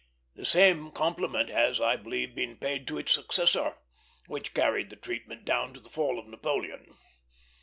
The same compliment has, I believe, been paid to its successor, which carried the treatment down to the fall of Napoleon.